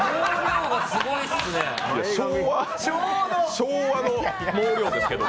昭和の毛量ですけどね。